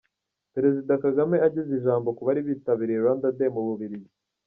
Perezida Kagame ageza ijambo ku bari bitabiriye Rwanda Day mu Bubiligi.